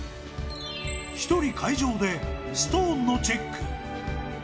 一人、会場でストーンのチェック。